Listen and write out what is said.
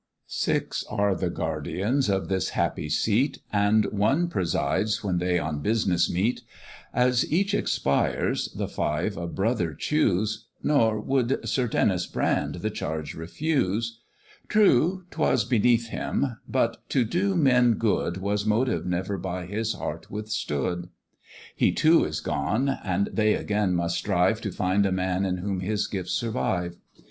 Six are the Guardians of this happy seat, And one presides when they on business meet; As each expires, the five a brother choose; Nor would Sir Denys Brand the charge refuse; True, 'twas beneath him, "but to do men good Was motive never by his heart withstood:" He too is gone, and they again must strive To find a man in whom his gifts survive.